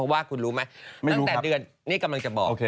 ไม่รู้ครับ